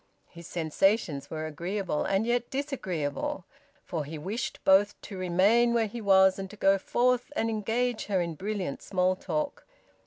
His sensations were agreeable and yet disagreeable, for he wished both to remain where he was and to go forth and engage her in brilliant small talk.